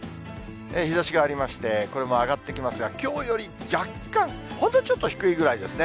日ざしがありまして、これも上がってきますが、きょうより若干、本当にちょっと低いぐらいですね。